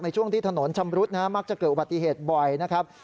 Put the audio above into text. ช่วงที่ถนนชำรุดมักจะเกิดอุบัติเหตุบ่อยนะครับ